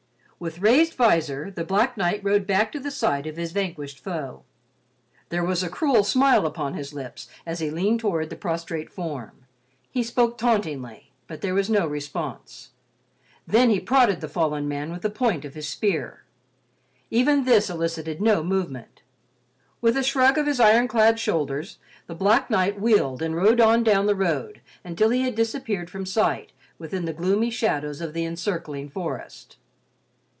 With raised visor, the black knight rode back to the side of his vanquished foe. There was a cruel smile upon his lips as he leaned toward the prostrate form. He spoke tauntingly, but there was no response, then he prodded the fallen man with the point of his spear. Even this elicited no movement. With a shrug of his iron clad shoulders, the black knight wheeled and rode on down the road until he had disappeared from sight within the gloomy shadows of the encircling forest.